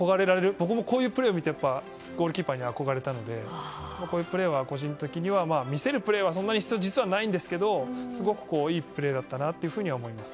僕もこういうプレーを見てゴールキーパーに憧れたのでこういうプレーは個人的には見せるプレーはそんなに実は必要がないんですがいいプレーだったと思います。